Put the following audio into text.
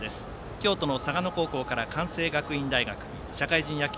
京都の嵯峨野高校から関西学院大学社会人野球